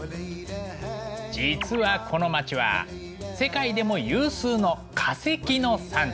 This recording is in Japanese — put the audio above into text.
実はこの街は世界でも有数の化石の産地。